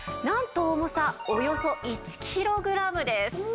なんと重さおよそ１キログラムです。